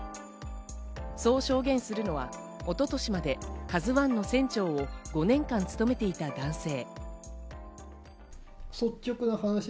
そう証言するのは一昨年まで「ＫＡＺＵ１」の船長を５年間勤めていた男性。